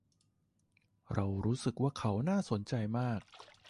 เรารู้สึกว่าเขาน่าสนใจมาก